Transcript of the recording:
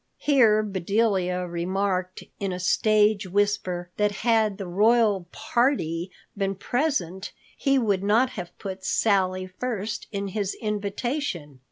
Here Bedelia remarked in a stage whisper that had the "royal party" been present, he would not have put Sally first in his invitation.